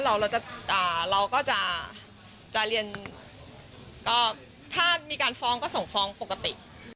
เราก็เราก็จะเรียนก็ถ้ามีการฟ้องก็ส่งฟ้องปกติ